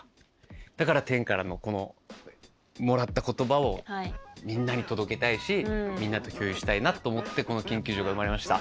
だから天からのこのもらった言葉をみんなに届けたいしみんなと共有したいなと思ってこの研究所が生まれました。